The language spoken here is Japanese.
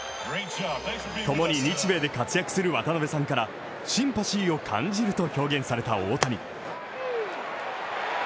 共に日米で活躍する渡辺さんからシンパシーを感じると表現された大谷。